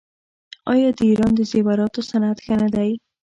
آیا د ایران د زیوراتو صنعت ښه نه دی؟